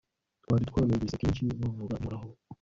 twari twarumvise kenshi bavuga iby'uhoraho